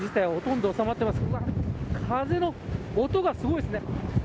風の音がすごいですね。